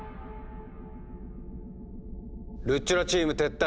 ルッチョラチーム撤退。